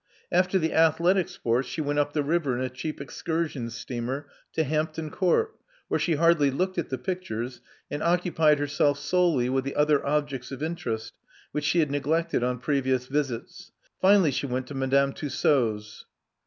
After the athletic sports, she went up the river in a cheap excur sion steamer to Hampton Court, where she hardly looked at the pictures, and occupied herself solely with the other objects of interest, which she had neglected on previous visits. Finally she went to Madame Tussaud's.